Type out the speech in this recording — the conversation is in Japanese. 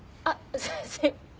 すいません。